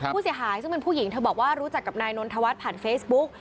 ผู้เสียหายซึ่งเป็นผู้หญิงเธอบอกว่ารู้จักกับนายนนทวัฒน์ผ่านเฟซบุ๊ก